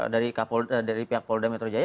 dari pihak polda metro jaya